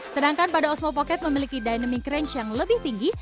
sedangkan pada osmo pocket memiliki dynamic range yang lebih tinggi